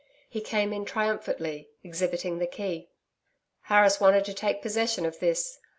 He came in triumphantly, exhibiting the key. 'Harris wanted to take possession of this.